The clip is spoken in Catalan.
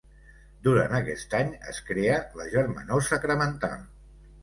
Durant aquest any es crea la Germanor Sacramental.